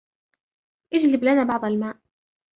اجلب لنا بعض الماء.